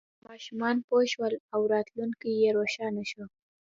ماشومان پوه شول او راتلونکی یې روښانه شو.